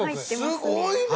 すごいな！